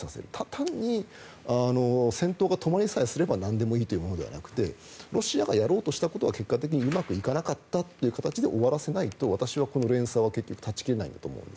単に戦闘が止まりさえすればなんでもいいというものではなくてロシアがやろうとしたことが結果的にうまくいかなかったという形でオワラセナイト私は連鎖は断ち切れないと思うんです。